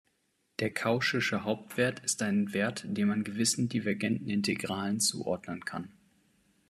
Der cauchysche Hauptwert ist ein Wert, den man gewissen divergenten Integralen zuordnen kann.